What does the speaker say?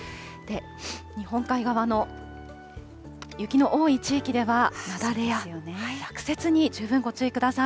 日本海側の雪の多い地域では、雪崩や落雪に十分ご注意ください。